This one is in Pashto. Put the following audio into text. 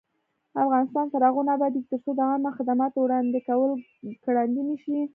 افغانستان تر هغو نه ابادیږي، ترڅو د عامه خدماتو وړاندې کول ګړندی نشي.